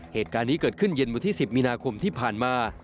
เหตุการณ์นี้เกิดขึ้นเย็นวันที่๑๐มีนาคมที่ผ่านมา